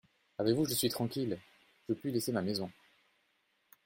Avec vous je suis tranquille… je puis laisser ma maison…